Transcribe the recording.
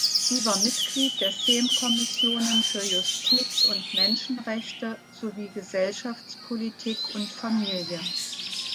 Sie war Mitglied der Sejm-Kommissionen für Justiz und Menschenrechte sowie Gesellschaftspolitik und Familie.